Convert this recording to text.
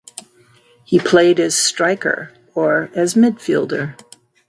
He played as striker or as midfielder.